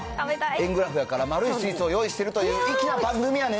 円グラフだから丸いスイーツを用意してるという粋な番組やね